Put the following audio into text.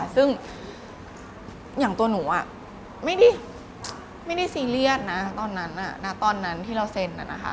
ซึ่งอย่างตัวหนูไม่ได้ซีเรียสตอนนั้นที่เราเซ็น